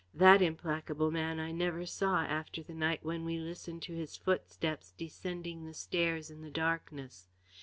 That implacable man I never saw after the night when we listened to his footsteps descending the stairs in the darkness.